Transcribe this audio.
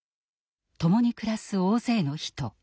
共に暮らす大勢の人。